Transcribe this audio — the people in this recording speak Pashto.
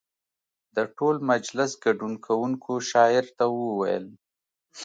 د ټول مجلس ګډون کوونکو شاعر ته وویل.